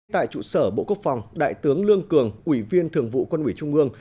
tại trụ sở bộ quốc phòng đại tướng lương cường ủy viên thường vụ quân ủy trung ương